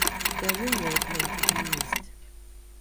Delville Wood lay to the east.